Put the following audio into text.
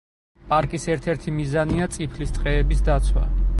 პარკის ერთ-ერთი მიზანია წიფლის ტყეების დაცვა.